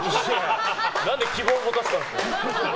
何で希望を持たせたんですか。